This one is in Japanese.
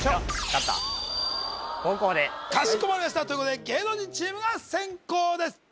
勝ったかしこまりましたということで芸能人チームが先攻です